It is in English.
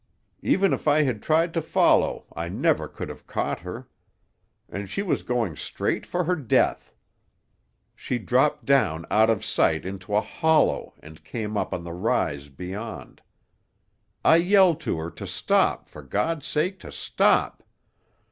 "Even if I had tried to follow I never could have caught her. And she was going straight for her death. She dropped down out of sight into a hollow and came up on the rise beyond. I yelled to her to stop, for God's sake to stop.